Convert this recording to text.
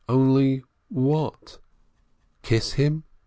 Only what? Kiss him?